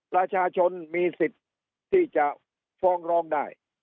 ประชาชนมีสิทธิ์ที่จะฟ้องร้องได้